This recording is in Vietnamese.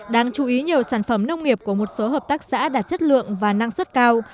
đáng chú ý nhiều sản phẩm nông nghiệp của một số hợp tác xã đạt chất lượng và năng suất cao